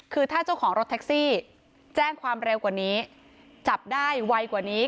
คือถ้าเจ้าของรถแท็กซี่แจ้งความเร็วกว่านี้จับได้ไวกว่านี้